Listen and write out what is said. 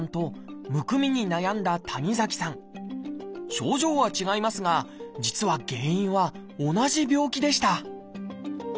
症状は違いますが実は原因は同じ病気でした。